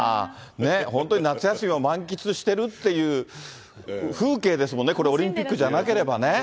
本当に、夏休みを満喫してるっていう風景ですもんね、これ、オリンピックじゃなければね。